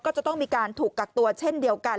ก็จะต้องมีการถูกกักตัวเช่นเดียวกัน